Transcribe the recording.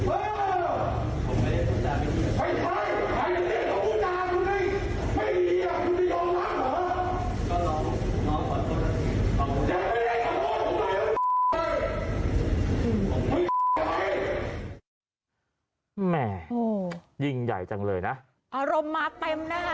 อารมณ์มาเต็มนะคะ